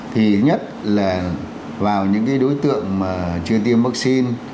thì nhất là vào những cái đối tượng mà chưa tiêm vaccine